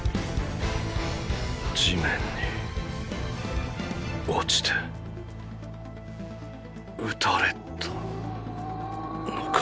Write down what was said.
地面に落ちて撃たれたのか。